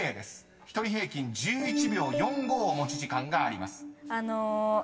［１人平均１１秒４５持ち時間があります］